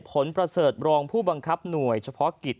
ผลประเสริฐรองผู้บังคับหน่วยเฉพาะกิจ